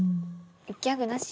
ギャグなし？